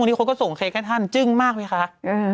วันนี้วันนี้มันก็ส่งเค้งให้ท่านจึงมากนะค่ะ